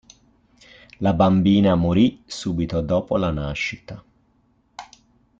La bambina morì subito dopo la nascita.